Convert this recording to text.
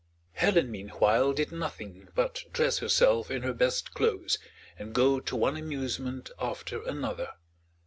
Helen, meanwhile, did nothing but dress herself in her best clothes and go to one amusement after another.